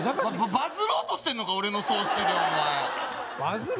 バズろうとしてんのか俺の葬式でお前バズる？